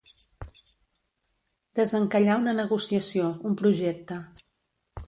Desencallar una negociació, un projecte.